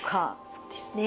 そうですね。